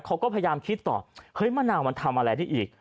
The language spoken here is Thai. เขาก็พยายามคิดต่อเฮ้ยมะนาวมันทำอะไรได้อีก